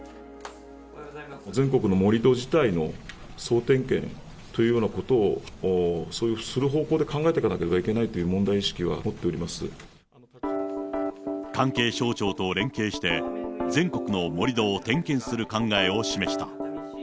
全国の盛り土自体の総点検というようなことを、する方向で考えていかなければいけないという問題意識は持ってお関係省庁と連携して、全国の盛り土を点検する考えを示した。